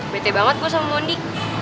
bete banget kok sama mondi